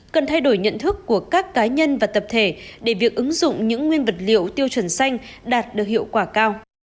cần thay đổi nhận thức của các cá nhân và tập thể để việc ứng dụng những nguyên vật liệu tiêu chuẩn xanh đạt được hiệu quả cao